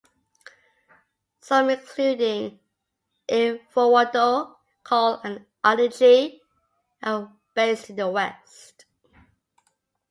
Some, including Ifowodo, Cole and Adichie, are based in the West.